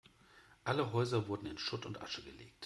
Alle Häuser wurden in Schutt und Asche gelegt.